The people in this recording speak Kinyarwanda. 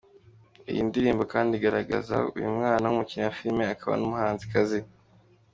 Iyi ndirimbo kandi ikaba igaragaza uyu mwana nk’umukinnyi wa filimi akaba n’umuhanzikazi.